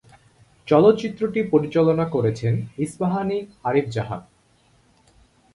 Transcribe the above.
চলচ্চিত্রটি পরিচালনা করেছেন ইস্পাহানী আরিফ জাহান।